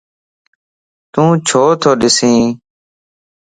تون ڇو تو ڏسي؟